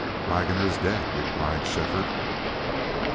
"Waggoner is dead," replied Shefford.